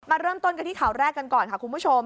เริ่มต้นกันที่ข่าวแรกกันก่อนค่ะคุณผู้ชม